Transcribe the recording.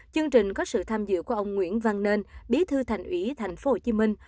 chương trình có sự tham dự của ông nguyễn văn nên bí thư thành ủy thành phố hồ chí minh